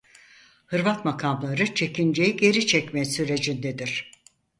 Hırvat makamları çekinceyi geri çekme sürecindedir.